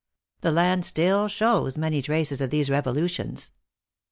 The land still shows many traces of these revolutions.